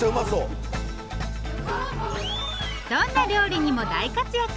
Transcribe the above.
どんな料理にも大活躍！